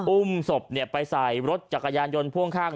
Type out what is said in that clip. อุ้มศพไปใส่รถจักรยานยนต์พ่วงข้าง